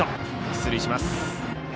出塁します。